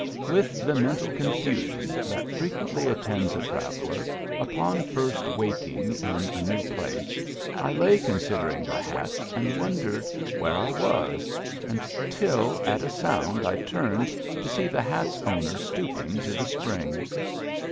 With the mental confusion that frequently attends a traveller upon first wak ing in a new place, I lay considering the hat and wondering where I was, until at a sound I turned to see the hat's owner stooping to the spring.